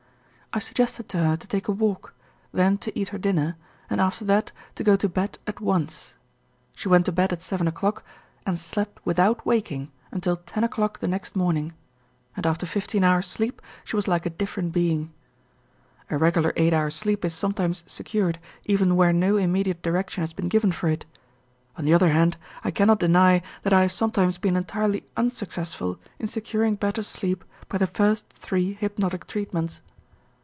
I suggested to her to take a walk, then to eat her dinner, and after that to go to bed at once. She went to bed at seven o'clock and slept without waking until ten o'clock the next morning, and after fifteen hours' sleep she was like a different being. A regular eight hour sleep is sometimes secured, even where no immediate direction has been given for it. On the other hand, I cannot deny that I have sometimes been entirely unsuccessful in securing better sleep by the first three hypnotic treatments.